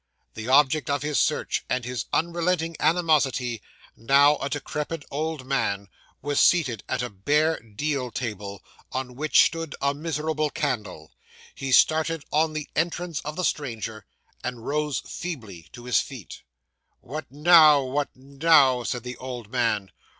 'The object of his search and his unrelenting animosity, now a decrepit old man, was seated at a bare deal table, on which stood a miserable candle. He started on the entrance of the stranger, and rose feebly to his feet. '"What now, what now?" said the old man.